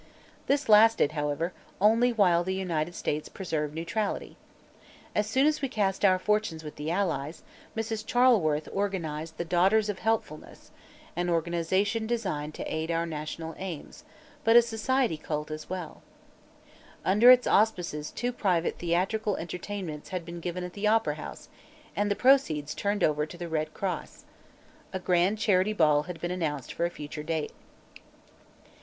This lasted, however, only while the United States preserved neutrality. As soon as we cast our fortunes with the Allies, Mrs. Charleworth organized the "Daughters of Helpfulness," an organization designed to aid our national aims, but a society cult as well. Under its auspices two private theatrical entertainments had been given at the Opera House and the proceeds turned over to the Red Cross. A grand charity ball had been announced for a future date.